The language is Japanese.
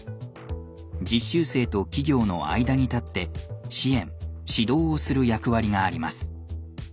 実習生と企業の間に立って支援・指導をする役割があります。